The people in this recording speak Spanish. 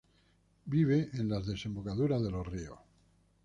Vive en las desembocaduras de los ríos.